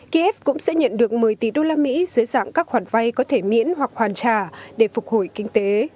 kiev cũng sẽ nhận được một mươi tỷ usd dưới dạng các khoản vay có thể miễn hoặc hoàn trả để phục hồi kinh tế